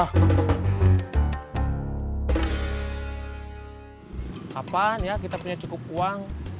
kapan ya kita punya cukup uang